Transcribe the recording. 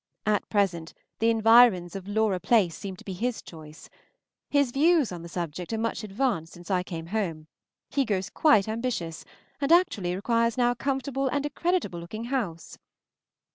At present the environs of Laura Place seem to be his choice. His views on the subject are much advanced since I came home; he grows quite ambitious, and actually requires now a comfortable and a creditable looking house.